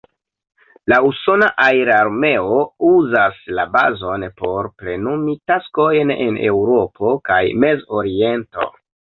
La usona aerarmeo uzas la bazon por plenumi taskojn en Eŭropo kaj Mez-Oriento.